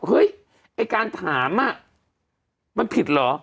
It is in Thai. เฮ้ยไอ้การถามมันผิดเหรอ